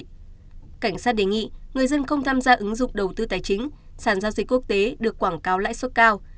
cảnh sát đề nghị người dân không tham gia ứng dụng đầu tư tài chính sản giao dịch quốc tế được quảng cáo lãi suất cao